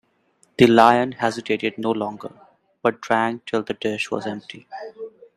The Lion hesitated no longer, but drank till the dish was empty.